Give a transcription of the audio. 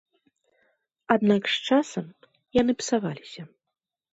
Аднак з часам яны псаваліся.